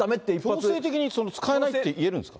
強制的に使えないっていえるんですか。